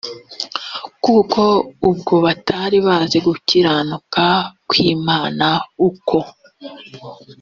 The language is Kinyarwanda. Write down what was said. kuko ubwo bari batazi gukiranuka kw imana uko